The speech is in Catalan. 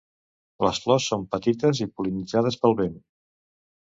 Les flors són petites i pol·linitzades pel vent.